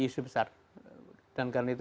isu besar dan karena itu